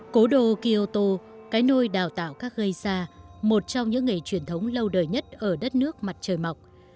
cố đô kioto cái nôi đào tạo các gây ra một trong những nghề truyền thống lâu đời nhất ở đất nước mặt trời mọc